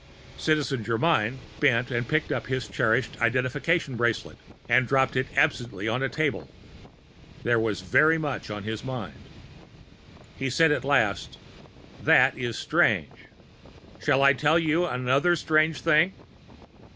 Citizen Germyn bent to pick up his cherished identification bracelet and dropped it absently on a table. There was very much on his mind. He said at last: "That is strange. Shall I tell you another strange thing?"